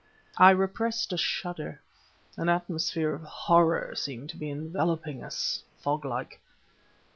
I repressed a shudder. An atmosphere of horror seemed to be enveloping us, foglike.